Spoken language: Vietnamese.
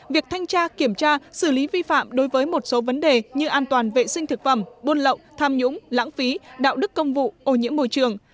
việc thanh tra kiểm tra xử lý vi phạm đối với một số vấn đề như an toàn vệ sinh thực phẩm buôn lậu tham nhũng lãng phí đạo đức công vụ ô nhiễm môi trường